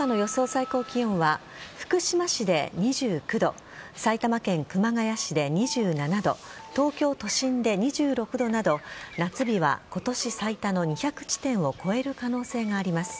最高気温は福島市で２９度埼玉県熊谷市で２７度東京都心で２６度など夏日は今年最多の２００地点を超える可能性があります。